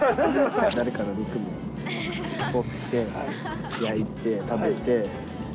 誰かの肉も取って、焼いて、食べて。